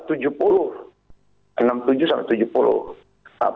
enam puluh tujuh sampai tujuh puluh